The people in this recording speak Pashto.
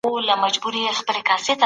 له یخو اوبو څخه ډډه وکړئ.